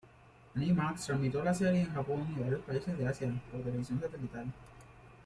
Animax transmitió la serie en Japón y varios países de Asia por televisión satelital.